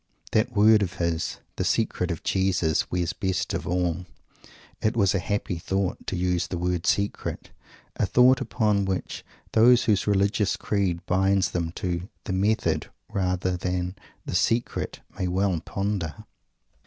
That word of his, "the Secret of Jesus," wears best of all. It was a happy thought to use the word "secret" a thought upon which those whose religious creed binds them to "the method" rather than "the secret," may well ponder!